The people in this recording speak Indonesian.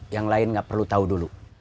yang lain gak perlu tau dulu